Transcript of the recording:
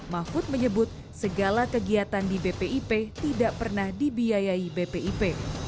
mahfud menyebut segala kegiatan di bpip tidak pernah dibiayai bpip